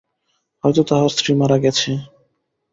হয়তো তাঁহার স্ত্রী মারা গেছে।